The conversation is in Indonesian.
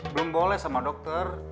belum boleh sama dokter